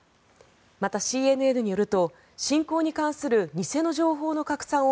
またＣＮＮによると侵攻に関する偽の情報の拡散を